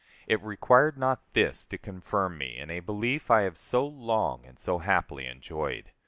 It required not this to confirm me in a belief I have so long and so happily enjoyed.